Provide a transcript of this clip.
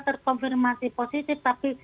terkonfirmasi positif tapi